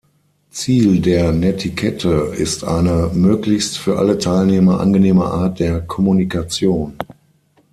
Ziel der Netiquette ist eine möglichst für alle Teilnehmer angenehme Art der Kommunikation.